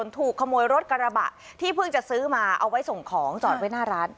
ถูกขโมยรถกระบะที่เพิ่งจะซื้อมาเอาไว้ส่งของจอดไว้หน้าร้าน